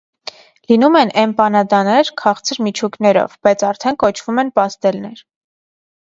Լինում են էմպանադաներ քաղցր միջուկներով, բայց արդեն կոչվում են պաստելներ։